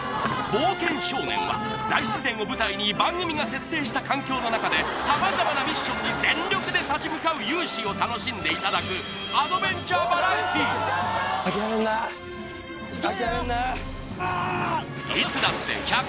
冒険少年は大自然を舞台に番組が設定した環境の中で様々なミッションに全力で立ち向かう勇姿を楽しんでいただくいつだって１００％